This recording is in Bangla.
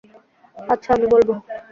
আচ্ছা, আমি বলব।